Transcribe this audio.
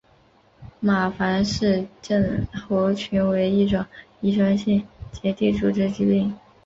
马凡氏症候群为一种遗传性结缔组织疾病。